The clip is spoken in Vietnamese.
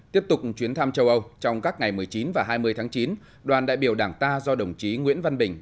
tiếp tục chuyến thăm châu âu trong các ngày một mươi chín và hai mươi tháng chín đoàn đại biểu đảng ta do đồng chí nguyễn văn bình